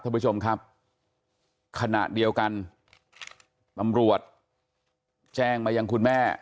ท่านผู้ชมครับขณะเดียวกันตำรวจแจ้งมายังคุณแม่